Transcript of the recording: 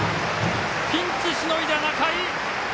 ピンチしのいだ仲井！